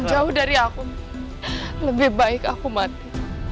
jauh dari aku lebih baik aku mati